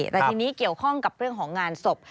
แต่ทีนี้เกี่ยวข้องกับเรื่องของงานศพ